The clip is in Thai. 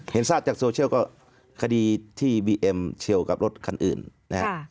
ทราบจากโซเชียลก็คดีที่บีเอ็มเฉียวกับรถคันอื่นนะครับ